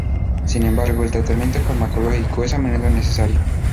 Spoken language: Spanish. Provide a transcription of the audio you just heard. Sin embargo, el tratamiento farmacológico es a menudo necesario.